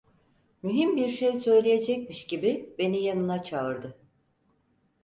Mühim bir şey söyleyecekmiş gibi beni yanına çağırdı: